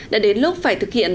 đã đến lúc phải thực hiện